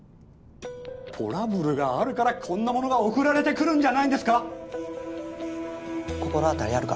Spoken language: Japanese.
トラブルがあるからこんなものが送られてくるんじゃないんですか心当たりあるか？